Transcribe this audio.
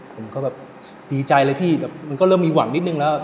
ผมก็แบบดีใจเลยพี่แต่มันก็เริ่มมีหวังนิดนึงแล้ว